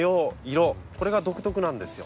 色これが独特なんですよ。